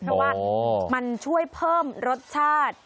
เพราะว่ามันช่วยเพิ่มรสชาติ